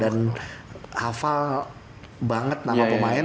dan hafal banget nama pemain